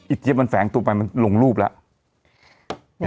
เจี๊ยบมันแฝงตัวไปมันลงรูปแล้ว